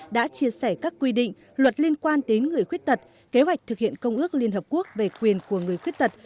đã chia sẻ các quy định luật liên quan đến người khuyết tật kế hoạch thực hiện công ước liên hợp quốc về quyền của người khuyết tật